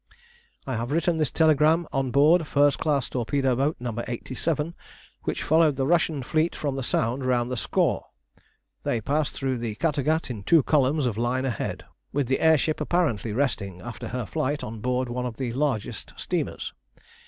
I have written this telegram on board first class torpedo boat, No. 87, which followed the Russian fleet from the Sound round the Skawe. They passed through the Kattegat in two columns of line ahead, with the air ship apparently resting after her flight on board one of the largest steamers.